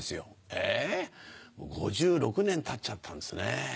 えもう５６年たっちゃったんですね。